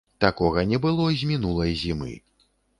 Такога не было з мінулай зімы.